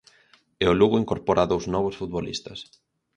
E o Lugo incorpora dous novos futbolistas.